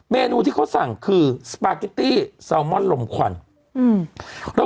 เมนูที่เขาสั่งคือสปาเกตตี้แซลมอนลมควันอืมแล้ว